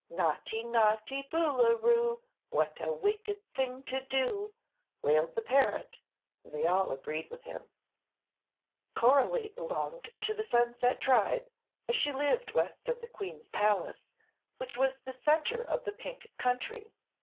"Naugh ty, naugh ty Boo loo roo; What a wicked thing to do!" wailed the parrot; and they all agreed with him. Coralie belonged to the Sunset Tribe, as she lived west of the queen's palace, which was the center of the Pink Country.